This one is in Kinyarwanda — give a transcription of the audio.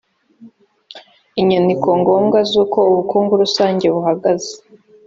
inyandiko ngombwa z’uko ubukungu rusange buhagaze